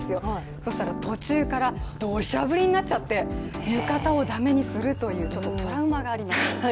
そうしたら途中から土砂降りになっちゃって浴衣を駄目にするというちょっとトラウマがあります。